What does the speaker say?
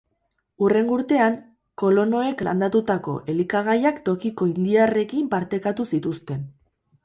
Hurrengo urtean, kolonoek landatutako elikagaiak tokiko indiarrekin partekatu zituzten.